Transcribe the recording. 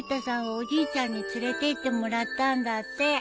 おじいちゃんに連れてってもらったんだって。